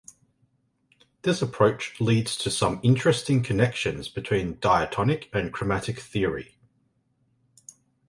This approach leads to some interesting connections between diatonic and chromatic theory.